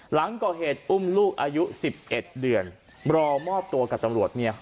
หลังก่อเหตุอุ้มลูกอายุ๑๑เดือนรอมอบตัวกับตำรวจเนี่ย